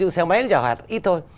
xe máy nó chả hoạt ít thôi